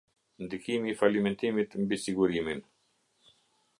Ndikimi i falimentimit mbi sigurimin.